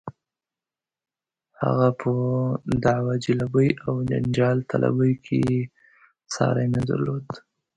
هغه په دعوه جلبۍ او جنجال طلبۍ کې یې ساری نه درلود.